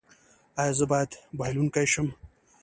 ایا زه باید بایلونکی شم؟